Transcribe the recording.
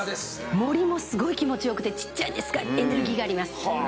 森もすごい気持ち良くてちっちゃいんですがエネルギーがあります。